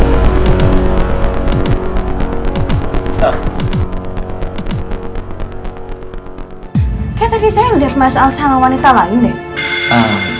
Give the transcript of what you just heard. kayaknya tadi saya liat mas al sama wanita lain deh